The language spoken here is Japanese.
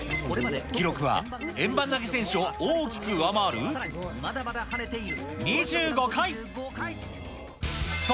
記録は、円盤投げ選手を大きく上回る２５回。